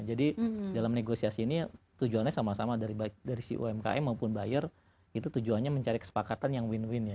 jadi dalam negosiasi ini tujuannya sama sama dari umkm maupun buyer itu tujuannya mencari kesepakatan yang win win ya